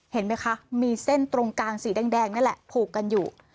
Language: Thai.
เห็นไหมคะมีเส้นตรงกลางสีแดงนั่นแหละผูกกันอยู่